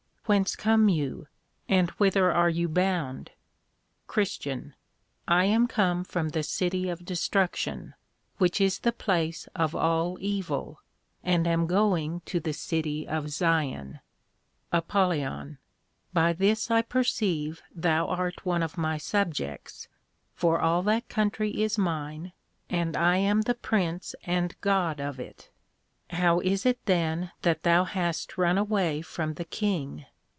Whence come you? and whither are you bound? CHR. I am come from the City of Destruction, which is the place of all evil, and am going to the City of Zion. APOL. By this I perceive thou art one of my Subjects, for all that country is mine, and I am the Prince and God of it. How is it then that thou hast run away from the King?